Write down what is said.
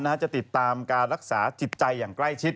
จะติดตามการรักษาจิตใจอย่างใกล้ชิด